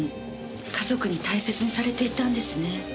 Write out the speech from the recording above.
家族に大切にされていたんですね。